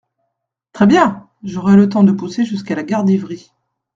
Très bien !… j’aurai le temps de pousser jusqu’à la gare d’Ivry…